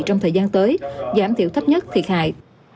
trong thời gian tới giảm thiểu thấp nhất thiệt hại